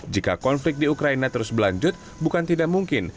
jika konflik di ukraina terus berlanjut bukan tidak mungkin